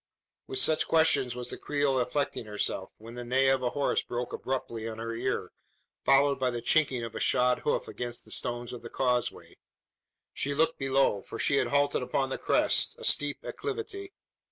With such questions was the Creole afflicting herself, when the neigh of a horse broke abruptly on her ear, followed by the chinking of a shod hoof against the stones of the causeway. She looked below: for she had halted upon the crest, a steep acclivity.